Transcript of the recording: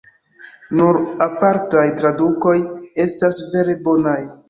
Nur apartaj tradukoj estas vere bonaj.